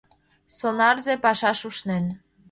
Сонарзе пашаш ушнен.